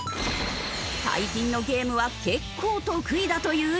最近のゲームは結構得意だという猪狩。